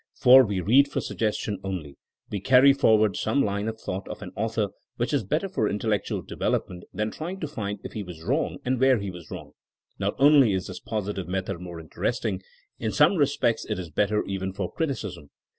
For we read for suggestion only; we carry forward some line of thought of an author, which is better for in tellectual development than trying to find if he was wrong and where he was wrong. Not only is this positive method more interesting ; in some respects it is better even for criticism.